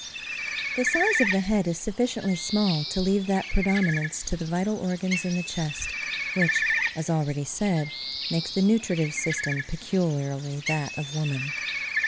The size of the head is sufficiently small to leave that predominance to the vital organs in the chest, which, as already said, makes the nutritive system peculiarly that of woman.